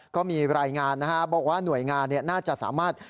ก็มีรายงานนะฮะบอกว่าหน่วยงานน่าจะสามารถ